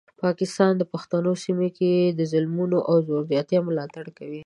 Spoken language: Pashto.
پاکستان د پښتنو سیمه کې د ظلمونو او زور زیاتي ملاتړ کوي.